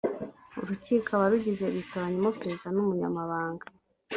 ururkiko abarugize bitoramo perezida n umunyamabanga